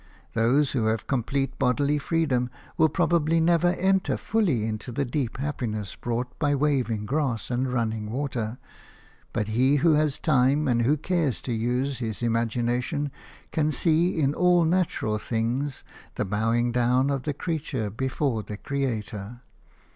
Those who have complete bodily freedom will probably never enter fully into the deep happiness brought by waving grass and running water: but he who has time and who cares to use his imagination, can see in all natural things the bowing down of the creature before the Creator.